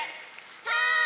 はい！